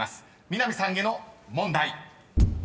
南さんへの問題］